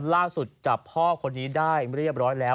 ล่าสุดจับพ่อคนนี้ได้เรียบร้อยแล้ว